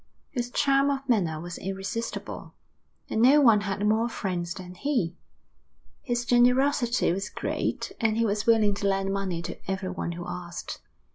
His charm of manner was irresistible, and no one had more friends than he. His generosity was great, and he was willing to lend money to everyone who asked.